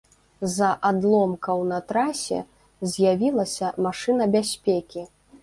З-за адломкаў на трасе з'явілася машына бяспекі.